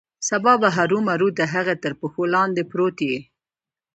سبا به هرومرو د هغه تر پښو لاندې پروت یې.